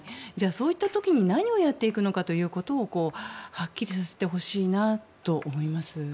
そういった時に何をやっていくのかということをはっきりさせてほしいなと思います。